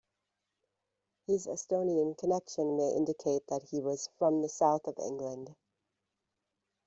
His Etonian connection may indicate that he was from the south of England.